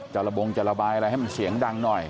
จะระบงจะระบายอะไรให้มันเสียงดังหน่อย